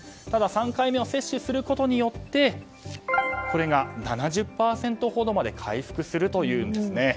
ただ、３回目を接種することによってこれが７０％ほどまで回復するというんですね。